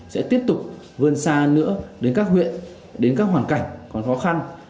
sẽ tiếp tục vươn xa nữa đến các huyện đến các hoàn cảnh còn khó khăn